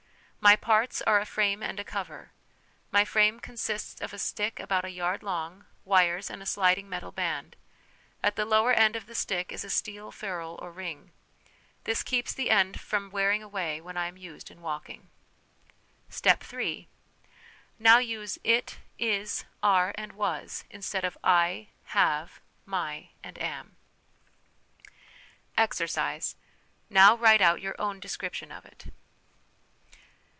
" My parts are a frame and a cover. My frame consists of a stick about a yard long, wires, and a sliding metal band. At the lower end of the stick is a steel ferrule or ring. This keeps the end from wearing away when I am used in walking. " Step III. " Now use it, is, are, and was, instead of /, have, my, and am. 11 Exercise. " Now write out your own description of it."